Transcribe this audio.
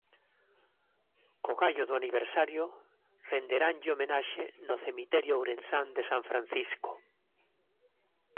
Co gallo do aniversario renderanlle homenaxe no cemiterio ourensán de San Francisco.